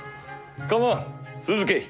構わん続けい。